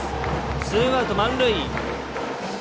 ツーアウト、満塁。